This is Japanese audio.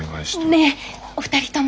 ねえお二人とも。